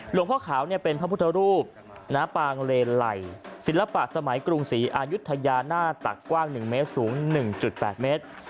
หลวงพ่อขาวเป็นพระพุทธรูปปางเลไหลศิลปะสมัยกรุงศรีอายุทยาหน้าตักกว้าง๑เมตรสูง๑๘เมตร